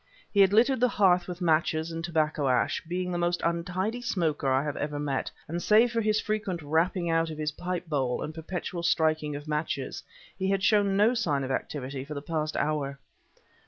He had littered the hearth with matches and tobacco ash, being the most untidy smoker I have ever met; and save for his frequent rapping out of his pipe bowl and perpetual striking of matches, he had shown no sign of activity for the past hour.